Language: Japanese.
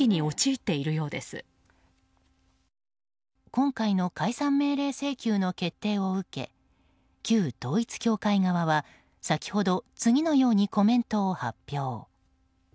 今回の解散命令請求の決定を受け旧統一教会側は先ほど次のようにコメントを発表。